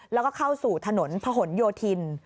แล้วก็เข้าสู่ถนนพะหนโยธิน